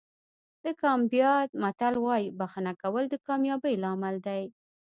د ګامبیا متل وایي بښنه کول د کامیابۍ لامل دی.